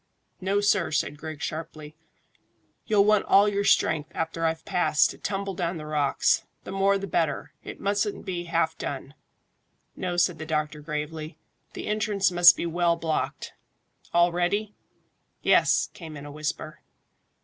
"No, sir," said Griggs sharply. "You'll want all your strength after I've passed, to tumble down the rocks. The more the better. It mustn't be half done." "No," said the doctor gravely. "The entrance must be well blocked. All ready?" "Yes," came in a whisper.